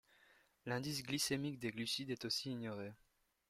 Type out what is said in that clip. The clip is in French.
L'indice glycémique des glucides est aussi ignoré.